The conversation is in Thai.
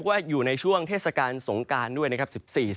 ว่าอยู่ในช่วงเทศกาลสงการด้วยนะครับ